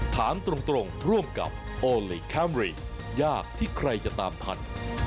ถามตรงร่วมกับโอลี่คัมรี่ยากที่ใครจะตามทัน